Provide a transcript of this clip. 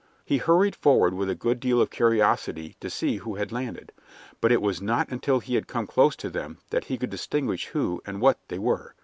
He hurried forward with a good deal of curiosity to see who had landed, but it was not until he had come close to them that he could distinguish who and what they were.